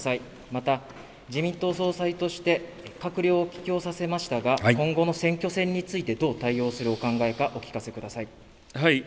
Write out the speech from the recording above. また自民党総裁として閣僚を帰京させましたが今後の選挙戦についてどう対応するお考えかお聞かせください。